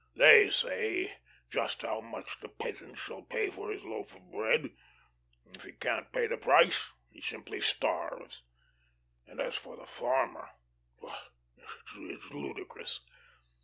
They say just how much the peasant shall pay for his loaf of bread. If he can't pay the price he simply starves. And as for the farmer, why it's ludicrous.